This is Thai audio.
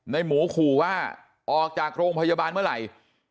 หมูขู่ว่าออกจากโรงพยาบาลเมื่อไหร่